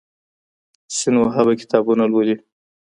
سینوهه به کتابونه لولي.